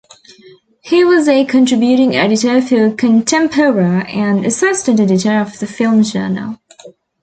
He was a contributing editor for "Contempora" and assistant editor of "The Film Journal".